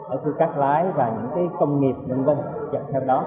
ở khu các lái và những cái công nghiệp đồng vân dạng theo đó